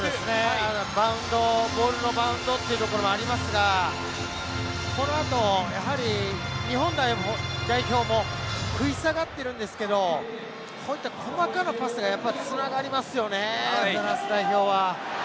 ボールのバウンドっていうところもありますが、この後、やはり日本代表も食い下がっているんですけど、こういった細かなパスがつながりますよね、フランス代表は。